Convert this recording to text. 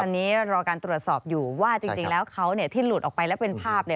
ตอนนี้รอการตรวจสอบอยู่ว่าจริงแล้วเขาเนี่ยที่หลุดออกไปแล้วเป็นภาพเนี่ย